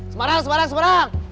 semarang semarang semarang